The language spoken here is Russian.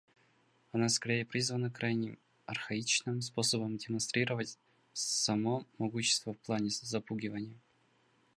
Оно скорее призвано крайне архаичным способом демонстрировать само могущество в плане запугивания.